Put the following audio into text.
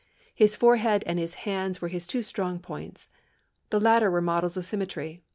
His forehead and his hands were his two strong points. The latter were models of symmetry.